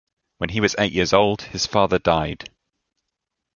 When he was eight years old his father died.